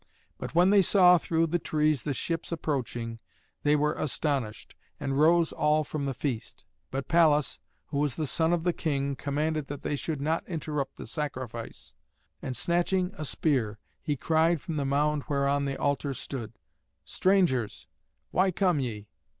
But when they saw through the trees the ships approaching, they were astonished, and rose all from the feast. But Pallas, who was the son of the king, commanded that they should not interrupt the sacrifice, and, snatching a spear, he cried from the mound whereon the altar stood: "Strangers, why come ye?